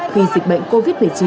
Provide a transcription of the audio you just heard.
khi dịch bệnh covid một mươi chín